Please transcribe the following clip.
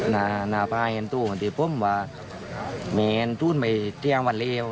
นาภาษณ์ที่ผมว่าแม่หายไปสี่ห้าวันแล้ว